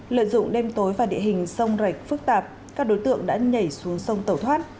lợi dụng đêm tối và địa hình sông rạch phức tạp các đối tượng đã nhảy xuống sông tẩu thoát